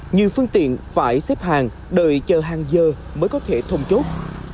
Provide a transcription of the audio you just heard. nhiều phương tiện phải xếp hàng đợi chờ hàng giờ mới có thể thông chốt